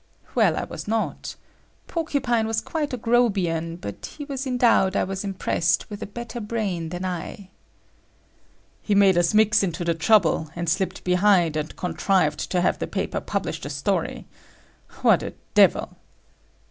Well, I was not. Porcupine was quite a Grobian but he was endowed, I was impressed, with a better brain than I. "He made us mix into the trouble, and slipped behind and contrived to have the paper publish the story. What a devil!"